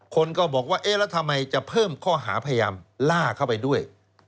คนก็บอกว่าเอ๊ะแล้วทำไมจะเพิ่มข้อหาพยายามล่าเข้าไปด้วย